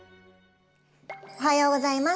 おはようございます。